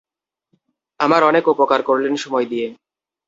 আমার অনেক উপকার করলেন সময় দিয়ে।